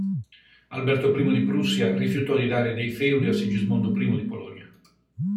Alberto I di Prussia rifiutò di dare dei feudi a Sigismondo I di Polonia.